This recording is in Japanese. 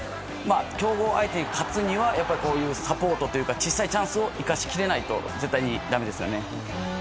強豪相手に勝つにはこういうサポートというか小さいチャンスを生かしきれないと絶対にだめですよね。